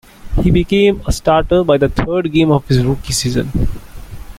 He became a starter by the third game of his rookie season.